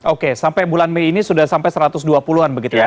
oke sampai bulan mei ini sudah sampai satu ratus dua puluh an begitu ya